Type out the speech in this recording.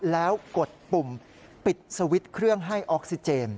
แล้วกดปุ่มปิดสวิตช์เครื่องให้ออกซิเจน